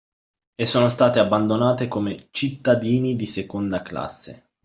E sono state abbandonate come “cittadini di seconda classe”